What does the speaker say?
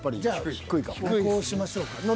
じゃあこうしましょうか。